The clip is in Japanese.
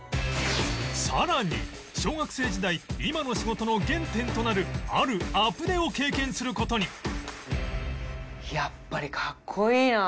さらに小学生時代今の仕事の原点となるあるアプデを経験する事に